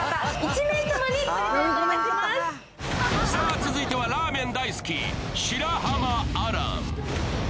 続いてはラーメン大好き、白濱亜嵐。